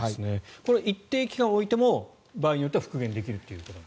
これは一定期間置いても場合によっては復元できると。